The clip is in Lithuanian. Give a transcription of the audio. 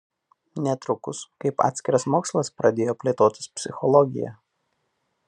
Netrukus kaip atskiras mokslas pradėjo plėtotis psichologija.